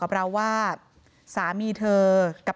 นายพิรายุนั่งอยู่ติดกันแบบนี้นะคะ